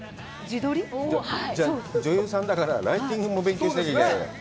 女優さんだから、ライティングも勉強しなきゃいけない。